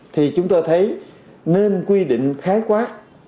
thì chúng ta thấy nên quy định khái quát